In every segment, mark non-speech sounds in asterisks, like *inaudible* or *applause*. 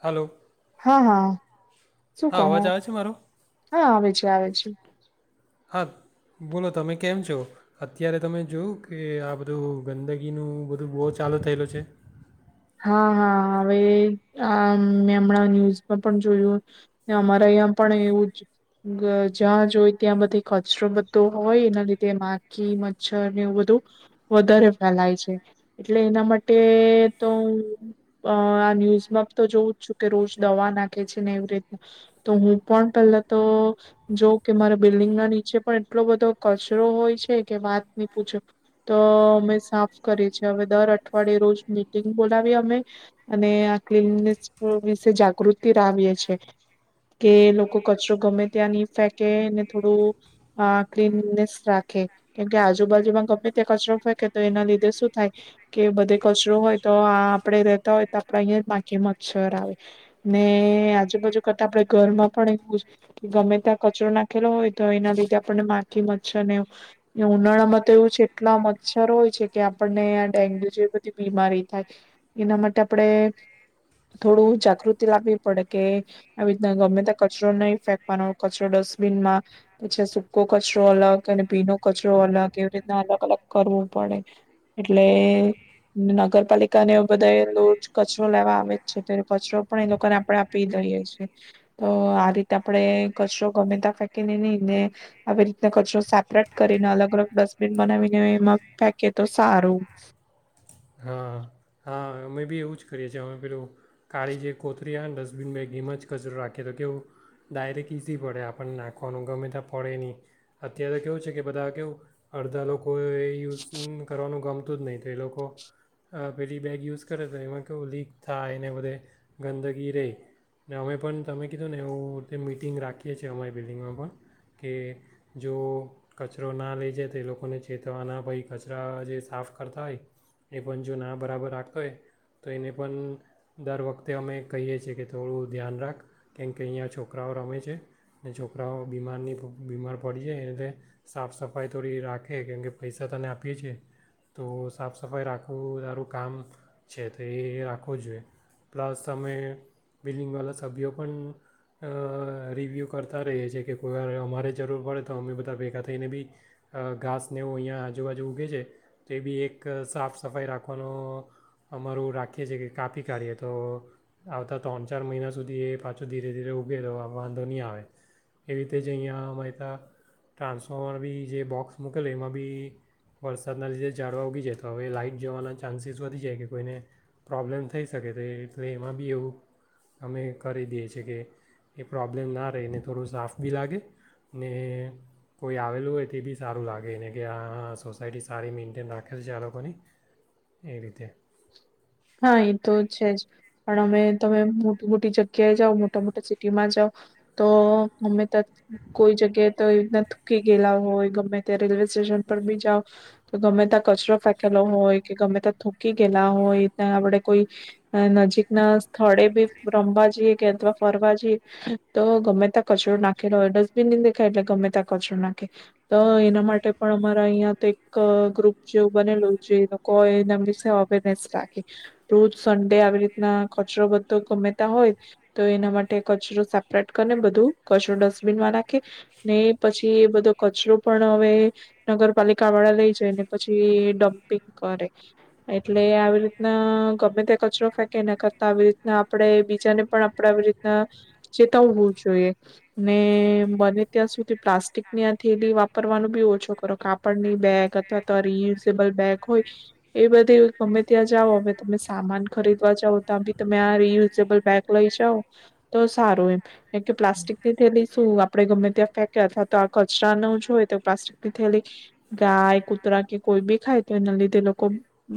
Hello. હા હા. શું હા કહો, અવાજ આવે છે મારો હા આવે છે આવે છે. હા બોલો તમે કેમ છો અત્યારે તમે જોયું કે આ બધું ગંદગીનું બધું બો ચાલુ થયેલું છે. હા હા હવે આ મેં હમણાં ન્યૂઝમાં પણ જોયું અમારા અયાં પણ એવું જ્યાં જોય ત્યાં બધે કચરો બધો હોય એના લીધે માખી, મચ્છર ને એવું બધું વધારે ફેલાય છે એટલે એના માટે તો અ આ ન્યૂઝમાં તો જોઉં જ છું કે રોજ દવા નાખે છે ને એવી રીતના તો હું પણ પેલા તો જોઉ કે મારા બિલ્ડિંગ ના નીચે પણ એટલો બધો કચરો હોય છે કે વાત નય પૂછો તો અમે સાફ કરીએ છીએ હવે દર અઠવાડિયે રોજ બોલાવીએ અમે અને આ ક્લિનનેસ વિશે જાગૃતિ લાવીએ છીએ કે લોકો કચરો ગમે ત્યાં નય ફેંકેને થોડું ક્લિનનેસ રાખે કેમકે આજુબાજુમાં ગમે ત્યાં કચરો ફેંકે તો એના લીધે શું થાય કે બધે કચરો હોય તો આ આપરે બેઠા હોય તા આપડા અહીંયા માખી, મચ્છર આવે ને આજુબાજુ કરતા આપણે ઘરમાં પણ એવું કે ગમે ત્યાં કચરો નાખેલો હોય તો એના લીધે આપણને માખી, મચ્છર ને ઉનાળામાં તો એવું છે એટલા મચ્છર હોય છે કે આપણને આ ડેન્ગ્યુ જેવી બધી બીમારી થાય એના માટે આપરે થોડું જાગૃતિ લાવવી પડે કે આવી રીતના ગમે ત્યાં કચરો નય ફેંકવાનો કચરો ડસ્ટબિનમાં પછી સૂકો કચરો અલગ અને ભીનો કચરો અલગ એવી રીતના અલગ અલગ કરવો પડે એટલે નગર પાલિકાને બધાં એ રોજ કચરો લેવા આવે જ છે કચરો પણ એ લોકોને આપણે આપી દઈએ છે તો આ રીતે આપરે કચરો ગમે તાં ફેંકીને નય ને આવી રીતના કચરો સેપરેટ કરીને અલગ અલગ ડસ્ટબિન બનાવીને એમાં ફેંકીએ તો સારું. હા હા અમે બી એવું જ કરીએ છીએ અમે પેલું કાળી જે કોથરી આવે ને ડસ્ટબિન બેગ એમા જ કચરો રાખીએ તો કેવું ડાયરેક ઈઝી પડે આપણને નાખવાનું ગમે ત્યાં પડે ની અત્યારે કેવું છે કે બધા કેવું અડધા લોકો એ યુઝ કરવાનું ગમતું જ નય તો એ લોકો પેલી બેગ યુઝ છે ને ઘણી વાર કેવું લીક થાય ને બધે ગંદગી રેય ને અમે પણ તમે કીધું ને એવું મીટિંગ રાખીએ છીએ અમારી બિલ્ડિંગમાં પણ કે જો કચરો ના લઈ જાય તો એ લોકોને ચેતવવાના ભાઈ કચરા જે સાફ કરતા હોય એ પણ જો ના બરાબર રાખતા હોય તો એને પણ દર વખતે અમે કહીએ છીએ કે થોડું ધ્યાન રાખ કેમ કે અહીંયા છોકરાઓ રમે છે ને છોકરાઓ બીમારની બીમાર પડી જાય અને સાફ સફાઈ થોડી રાખે કેમ કે પૈસા તને આપીએ છીએ તો સાફ સફાઈ રાખવું તારું કામ છે તે એ રાખવો જોઈએ *unintelligible* સમયે બિલ્ડિંગવાલા સભ્યો પણ રિવ્યૂ કરતા રહીએ છીએ કે કોઈ વાર અમારે જરૂર પડે તો અમે બધા ભેગા થઈને બી ઘાસનેવું અહીંયા આજુબાજુ ઊગે છે તો એ બી એક સાફ સફાઈ રાખવાનો અમારું રાખ કે જે કે કાપી કાઢીએ તો આવતા ત્રણ ચાર મહિના સુધી એ પાછો ધીરે ધીરે ઉગે તો વાંધો ની આવે એવી રીતે જ અહીંયા વહેતાં ટ્રાન્સફોર્મર બી જે બોક્સ મૂકેલો એમાં બી વરસાદના લીધે ઝાડવા ઊગી જાય તો હવે લાઈટ જવાના ચાન્સીસ વધી જાય કે કોઈને પ્રોબ્લેમ થઈ શકે તો એટલે એમાં બી એવું અમે કરી દઈએ છીએ કે એ પ્રોબ્લેમ ના રહેને થોડું સાફ બી લાગે ને કોઈ આવેલું હોય તો બી સારું લાગે એને કે આ સોસાયટી સારી મેન્ટેન રાખે છે આ લોકોની એ રીતે હા. એ તો છે જ. પણ અમે તમે મોટી મોટી જગ્યાએ જાઓ મોટા મોટા સિટીમાં જાઓ તો ઞમે ત્યાં કોઈ જગ્યાએ તો એવી રીતના થૂકી ગયેલા હોય ગમે ત્યાં રેલવે સ્ટેશન પર બી જાઓ તો ગમે ત્યાં કચરો ફેકેલો હોય કે ગમે ત્યાં થૂ ગ હોય ત્યા આપણે કોઈ નજીક ના સ્થળે બી રમવા જઈએ કે અથવા ફરવા જઈએ તો ગમે ત્યાં કચરો નાખેલો હોય ડસ્ટબિન ન દેખાય યએટલે ગમે ત્યાં કચરો નાખે તો એના માટે પણ અમારા અહિયાં તો એક ગ્રુપ જેવું બનેલું છે લોકો હોય. વેને રાખે, રોજ સડે આવી રીતના કચરો બધો ગમેતા હોય તો એના માટે કચરો સેપરેટ કરીને બધું કચરો ડસ્ટબિનમાં રાખે ને પછી એ બધો કચરો પણ હવે નગરપાલિકા વાળા લઈ જાય ને પછી ડમ્પિંગ કરે. એટલે આવી રીતના ગમે ત્યાં કચરો ફેંકે એના કરતા આવી રીતના આપણે બીજાને પણ આપણે આવી રીતના ચેતાવવું જોઈએ ને બને ત્યાં સુધી પ્લાસ્ટિકની આ થેલી વાપરવાનું બી ઓછું કરો કાપડની બેગ અથવા તો રિયુઝેબલ બેગ હોય એ બધા ગમે ત્યાં જાઓ અમે તમે સામાન ખરીદવા જાઓ ત્યાં બી તમે આ રિયુઝેબલ બેગ લઈ જાઓ તો સારું એમ,. કેમ કે પ્લાસ્ટિક થી થયેલી શું આપડે ગમે ત્યાં ફેંક અથવા તો આ કચરા ન જોય તો પ્લાસ્ટિક થી થયેલી ગાય કૂતરા કે કોઈ બી ખાય તો એના લીધે લોકો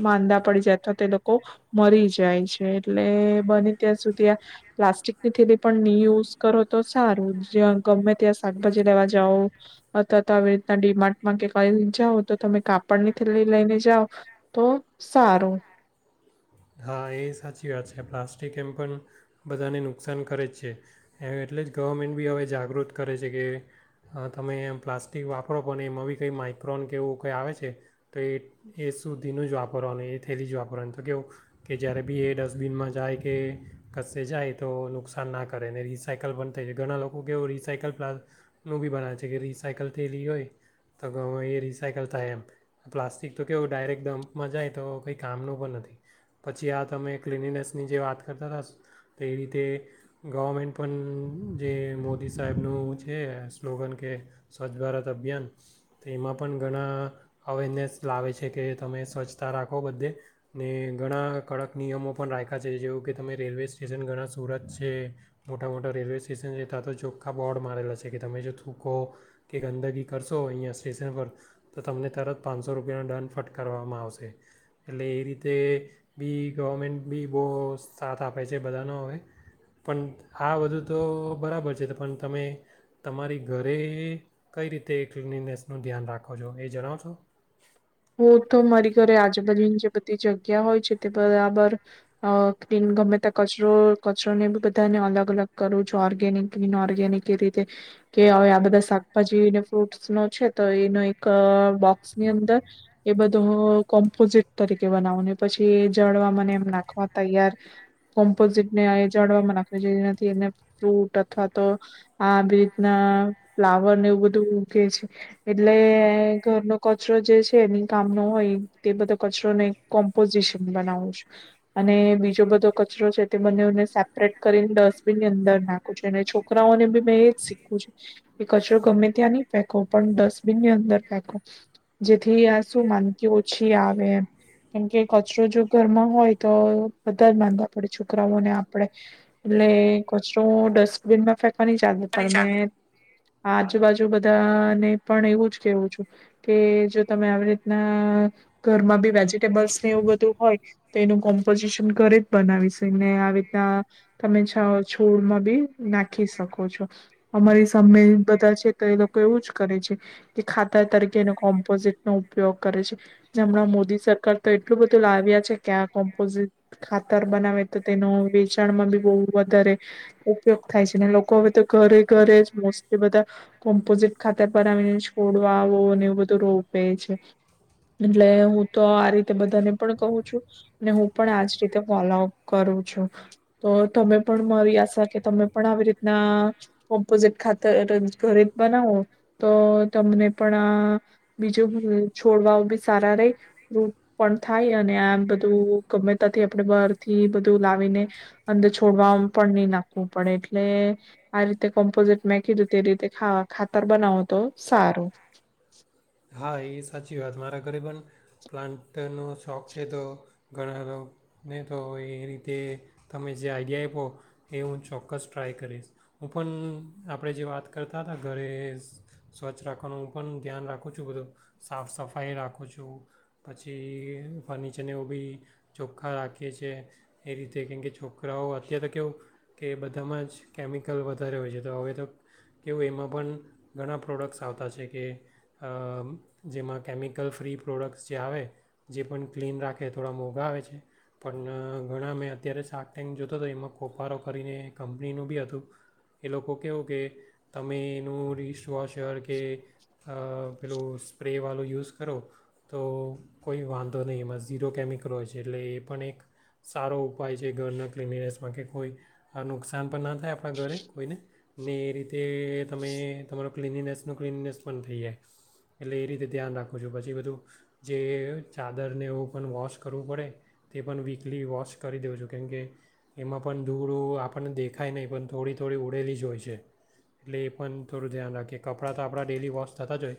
માંદા પડી જાય અથવા તે લોકો મરી જાય છે એટલે બને ત્યાં સુધી આ પ્લાસ્ટિકની થેલી પણ નહી યુઝ કરો તો સારું જ ગમે ત્યાં શાકભાજી લેવા જઓ અથવા તો આવી રીતના ડીમાર્ટમાં કે કઈ જાઓ તો તમે કાપડની થેલી લઈને જાઓ. તો, સારું. હા, એ સાચી વાત છે પ્લાસ્ટિક એમ પણ બધાને નુકસાન કરે જ છે એટલે જ ગવર્મેન્ટ બી હવે જાગૃત કરે છે કે તમે પ્લાસ્ટિક વાપરો પણને એમાં બી કંઈ માઈક્રોન કે એવું કંઈ આવે છે તો એ એ સુધીનું જ વાપરોનું એ થયેલી જ વાપરોવાની તો કેવું. કે જ્યારે બી એ ડસ્ટબિનમાં જાય કે કસે જાય તો નુકસાન ના કરે ને રીસાયકલ પણ થાય ઘણા લોકો કેવય રિસાયકલ પલાનું બી બનાવે છે કે રીસાયકલ થયેલી હોય તો એ રિસાયકલ થાય એમ પ્લાસ્ટિક તો કેવો ડાયરેક્ટ ડમ્પમાં જાય તો કંઈ કામનું પણ નથી. પછી આ તમે ક્લનિનેસની જે વાત કરતા હતા તો એ રીતે ગવર્મેન્ટ પણ જે મોદી સાહેબનું છે સ્લોગન કે સ્વચ્છ ભારત અભિયાન તો એમાં પણ ઘણા અવેરનેસ લાવે છે કે તમે સ્વચ્છતા રાખો બધે ન *unintelligible* ઘણા કડક નિયમો પણ રાખ્યા છે જેવું કે તમે રેલવે સ્ટેશન ઘણા સુરત છે મોટા મોટા રેલવે સ્ટેશન છે ત્યાં તો ચોખ્ખા બોર્ડ મારેલા છે કે તમે જો થૂકો કે ગંદગી કરશો અહીંયા સ્ટેશન પર તો તમને તરત પાંચસો રૂપિયાનો દંડ ફટકારવામાં આવશે એટલે એ રીતે બી ગવર્મેન્ટ બી બહુ સાથ આપે છે બધાનો હવે, પણ આ બધું તો બરાબર છે પણ તમે તમારી ઘરે કઈ રીતે ક્લનનેસનું ધ્યાન રાખો છો એ જણાવો છો. હું તો મારી ઘરે આજુબાજુની જે બધી જગ્યા હોય છે તે બરાબર ગમે ત્યાં કચરો, કચરોને બધાને અલગ અલગ કરું છું. ઓર્ગેનિક, બિન ઓર્ગેનિક એ રીતે કે હવે આ બધા શાકભાજી ફ્રૂટ્સ નો છે તો એનો એક બોક્સની અંદર એ બધું કોમ્પોઝિટ તરીકે બનાવને પછી એ જળવા મને એમ નાખવા તૈયાર કોમ્પોઝિટ ને જળવામાં નાખવા જેના એને ફ્રૂટ અથવા તો આ રીતના ફ્લાવર ને એવું બધું ઉકે છે એટલે ઘરનો કચરો જે છે. એની કામ નો હોય તે બધો કચરોને કોમ્પોઝિશન બનાવું છું અને બીજો બધો કચરો છે તે બનેને સેપરેટ કરીને ડસ્ટબિનની અંદર નાખું છું અને છોકરાઓને બી મેં એજ શીખવું છું કે કચરો ગમે ત્યાં નહી ફેંકો પણ ડસ્ટબિનની અંદર ફેંકો જે થી આ શું માંદગી ઓછી આવે એમ કેમકે, કચરો જો ઘરમાં હોય તો બધા જ માંદા પડે છોકરાઓને આપડે એટલે કચરો ડસ્ટબિનમાં ફેંકવાની કાલે પણ મે *unintelligible* આજુબાજુ બધાને પણ એવું જ કેવું છું કે તમે આવી રીતના ઘરમાં બી વેજીિટેબલ્સ ને એવું બધું હોય તો એનું કોમ્પોઝિશન ઘરે જ બનાવીશ ને આવી રીતના તમે છોડમાં બી નાખી શકો છો. અમારી સામે બધા છે તો એ લોકો એવું જ કરે છે કે ખાતાર તરીકે એનુ કોમ્પોઝિટ ન ઉપયોગ કરે છે જેમણાં મોદી સરકાર તો એટલું બધું લાવ્યા છે કે આ કોમ્પોઝિટ ખાતર બનાવે તો તેનો વેચાણમાં બી બહુ વધારે ઉપયોગ થાય છે ને લોકો હવે તો ઘરે ઘરે જ મોસ્ટલી બધા કોમ્પોઝિટ ખાતર બનાવીને છોડ આવો અને એવું બધું રો એટલે હું તો આ રીતે બધાને પણ કહું છું. હું પણ આજ રીતે ફોલોપ કરું છું તો તમે પણ મારી આશા કે તમે પણ આવી રીતના કોમ્પોઝિટ ખાતર ઘરે જ બનાવો તો તમને પણ આ બીજું છોડવા બી સારા રહે રૂટ પણ થાય અને આ બધું ગમે તથી આપણે બહારથી બધું લાવીને અંદર છોડવા પણ નહી નાખવું પડે, એટલે આ રીતે કોમ્પોઝિટ મેં કીધું તે રીતેા ખાતર બનાવો તો સારું. હા, એ સાચી વાત મારા ઘરે પણ પ્લાન્ટનો શોખ છે તો ઘણા લોકોને તો એ રીતે તમે જે આઈડિયા આપ્યો, એ હું ચોક્કસ ટ્રાય કરીશ. હું પણ આપણે જે વાત કરતા હતા ઘરે સ્વચ્છ રાખવાનું હું પણ ધ્યાન રાખું. હું છે બધું, સાફ સફાઈ રાખું છું પછી ફર્નિચરને બી ચોખ્ખા રાખીએ છીએ એ રીતે કેમ કે છોકરાઓ અત્યારે તો કેવું કે બધામાં જ કેમિકલ વધારે હોય છે તો હવે તો કેવું એમાં પણ ઘણા પ્રોડક્ટ્સ આવતા છે કે જેમાં કેમિકલ ફ્રી પ્રોડક્ટ્સ જે આવે જે પણ ક્લીન રાખે થોડા મોંઘા આવે છે પણ ઘણા મેં અત્યારે શાક ટેન્ક જોતો હતો એમાં કોોપારો કરીને કંપનીનું બી હતું એ લોકો કહેહું કે તમે એનું રિ *unintelligible* કે. પેલું સ્પ્રેવાળું યુઝ કરો તો કોઈ વાંધો નહીં એમાં ઝીરો કેમિકલ હોય છે એટલે એ પણ એક સારો ઉપાય છે ઘરના ક્લિનિનેસમાં કે કોઈ નુકસાન પણ ના થાય આપણા ઘરે કોઈને ને એ રીતે તમે તમારો ક્લિનિનેસનો ક્લિનનેસ પણ થય જાય એટલે એ રીતે ધ્યાન રાખું છું. પછી બધું જે ચાદરને એવું પણ વોશ કરવું પડે તે પણ વીકલી વોશ કરી દઉં છું કેમકે એમાં પણ ધૂળ આપણને દેખાય નહીં પણ થોડી થોડી ઉડેલી જ હોય છે એટલે એ પણ થોડું ધ્યાન રાખીએ કપડા તો આપણા ડેલી વોશ થતા જ હોય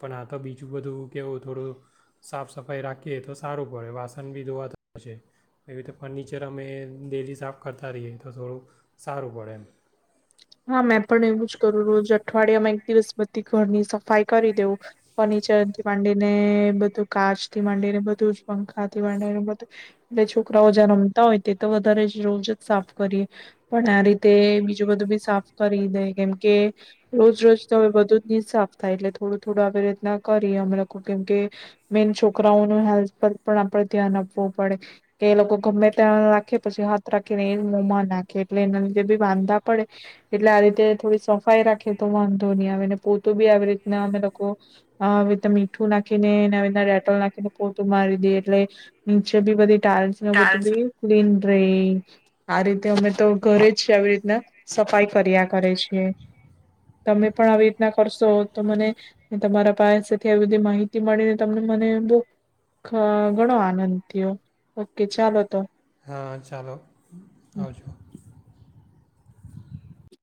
પણ આ તો બીજું બધું કવું થોડું સાફ સફાઈ રાખીએ તો સારું પડે વાસણ બી ધોવા છે એવી રતે ફર્નિચર અમે ડેલી સાફ કરતા રહીએ, તો થોડુંક સારું પડે. દરરોજ અઠવાડિયામાં એક દિવસ બધી ઘરની સફાઈ કરી દેવું. ફર્નિચર થી માંડીને, બધું કાચ થી માંડીને બધું જ, પંખા થી માંડીને બધું જ એટલે છોકરાઓ જ રમતા હોય. વધારે રોજ જ સાફ કરીએ પણ આ રીતે બીજું બધું બી સાફ કરી દે કેમ કે રોજ રોજ તો બધું જ નહી સાફ થાય એટલે થોડું થોડું આવી રીતના કરીએ અમે લોકો કેમકે મેન છોકરાઓ ન હેલ્થ પર પણ આપણે ધ્યાન આપવું પડે કે લોકો ગમે ત્યાં પછી હાથ રાખીને એ મોમાં નાખે એટલે એના લીધે બી વાંધા પડે એટલે આ રીતે થોડી સફાઈ રાખીએ તો વાંધો નહી આવેને પોતું બી આવી રીતના અમે લોકો આવી રીતે મીઠું નાખીને એનાીતના ડેટલ નાખીને પોતું મારી દેએ એટલે નીચે બી બધી કાર્સ ને બધું બી *unintelligible* અરે, આ રીતે અમે તો ઘરે જ આવી રીતના સફાઈ કર્યા કરે છેીએ. તમે પણ આવી રીતના કરશો, તો મને તમારા પાસેથી આવી બધી માહિતી મળીને તમને મને બહુ ઘણો આનંદ થયો ઓકે ચાલો તો હા, ચાલો આવજો.